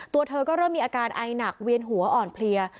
ตัวเธอก็เริ่มมีอาการไอหนักเวียนหัวอ่อนเพลีย